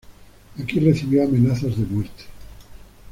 Aquí recibió amenazas de muerte.